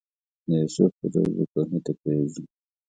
د یوسف په دود به کوهي ته پرېوځي.